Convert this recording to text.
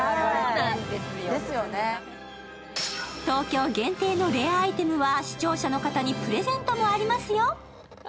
ＴＯＫＹＯ限定のレアアイテムは視聴者の方にプレゼントもありますよ。